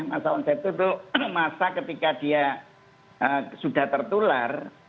masa onset itu masa ketika dia sudah tertular